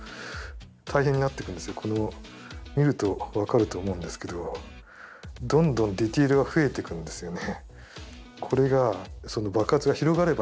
見ると分かると思うんですけどどんどんディテールが増えていくんですよね。